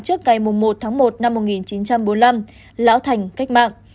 trước ngày một tháng một năm một nghìn chín trăm bốn mươi năm lão thành cách mạng